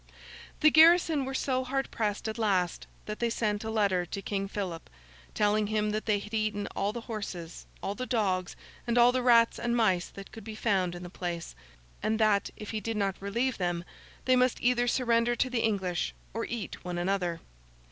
The garrison were so hard pressed at last, that they sent a letter to King Philip, telling him that they had eaten all the horses, all the dogs, and all the rats and mice that could be found in the place; and, that if he did not relieve them, they must either surrender to the English, or eat one another.